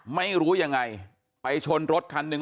ไม่รู้ยังไงไปชนรถคันหนึ่ง